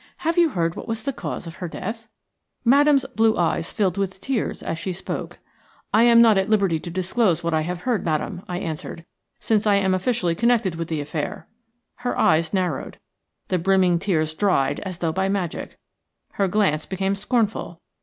Have you heard what was the cause of her death?" Madame's blue eyes filled with tears as she spoke. "I am not at liberty to disclose what I have heard Madame," I answered, "since I am officially connected with the affair." Her eyes narrowed. The brimming tears dried as though by magic. Her glance became scornful.